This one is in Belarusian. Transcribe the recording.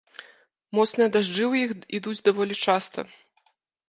Моцныя дажджы ў іх ідуць даволі часта.